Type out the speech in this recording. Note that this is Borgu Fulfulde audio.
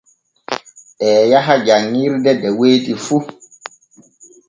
Ɓee yaha janŋirde de weyti fu.